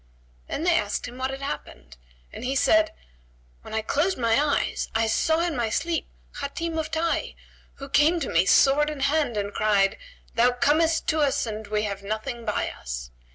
Then they asked him what had happened and he said, "When I closed my eyes, I saw in my sleep Hatim of Tayy who came to me sword in hand and cried, 'Thou comest to us and we have nothing by us.'